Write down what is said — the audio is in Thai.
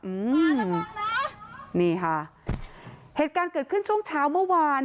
อืมนี่ค่ะเหตุการณ์เกิดขึ้นช่วงเช้าเมื่อวาน